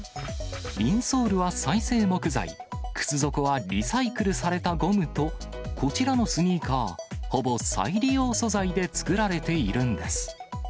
インソールは再生木材、靴底はリサイクルされたゴムと、こちらのスニーカー、ほぼ再利用素材で作られているんです。